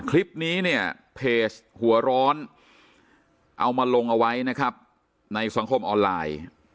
คลิปนี้เนี่ยเพจหัวร้อนเอามาลงเอาไว้นะครับในสังคมออนไลน์